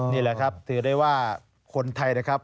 นี่แหละครับถือได้ว่าคนไทยนะครับ